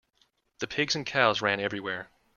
The pigs and cows ran everywhere.